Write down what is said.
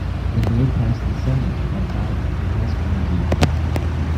The bill passed the Senate, but died in a House committee.